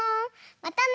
またね。